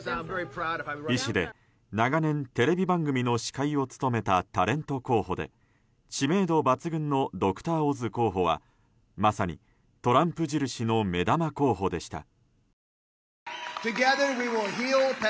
医師で長年テレビ番組の司会を務めたタレント候補で知名度抜群のドクター・オズ候補はまさにトランプ印の目玉候補でした。